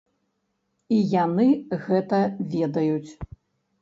І яны гэта ведаюць.